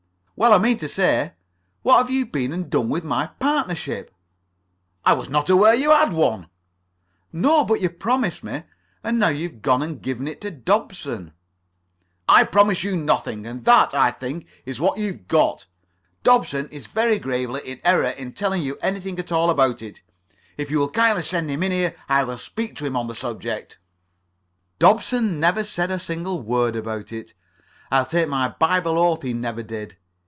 "Well, I mean to say, what have you been and done with my partnership?" "I was not aware that you had one." "No, but you promised me. And now you've gone and given it to Dobson." "I promised you nothing. And that, I think, is what you have got. Dobson is very gravely in error in telling you anything at all about it. If you will kindly send him here, I will speak to him on the subject." "Dobson never said a single word about it. I'll [Pg 42]take my Bible oath he never did.